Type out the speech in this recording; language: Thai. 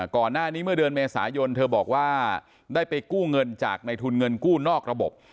ก่อนหน้านี้เมื่อเดือนเมษายนเธอบอกว่าได้ไปกู้เงินจากในทุนเงินกู้นอกระบบ